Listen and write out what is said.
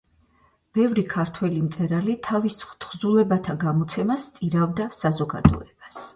ბევრი ქართველი მწერალი თავის თხზულებათა გამოცემას სწირავდა საზოგადოებას.